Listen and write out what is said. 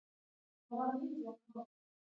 آیا او تر سبا پورې نه دی؟